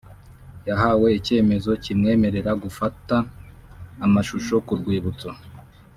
yahawe icyemezo kimwemerera gufata amashusho ku rwibutso